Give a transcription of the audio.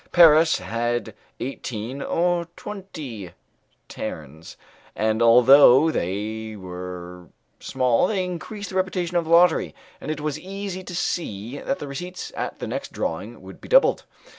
Paris had eighteen or twenty ternes, and although they were small they increased the reputation of the lottery, and it was easy to see that the receipts at the next drawing would be doubled.